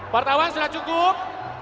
wartawan sudah cukup